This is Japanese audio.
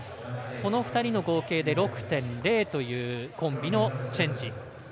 この２人の合計で６．０というコンビのチェンジ。